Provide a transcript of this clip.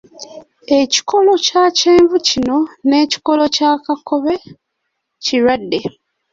Ekikoola ekya kyenvu kino n'ekikolo ekya kakobe kirwadde.